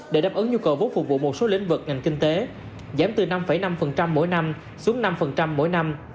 để đáp ứng nhu cầu vốn phục vụ một số lĩnh vực ngành kinh tế giảm từ năm năm mỗi năm xuống năm mỗi năm